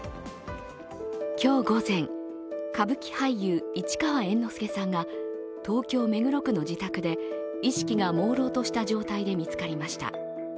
今日午前、歌舞伎俳優・市川猿之助さんが東京・目黒区の自宅で意識がもうろうとした状態で見つかりました。